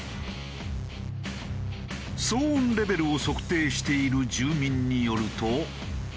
騒音レベルを測定している住民によると。